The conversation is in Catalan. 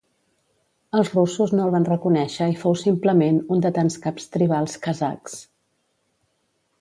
Els russos no el van reconèixer i fou simplement un de tants caps tribals kazakhs.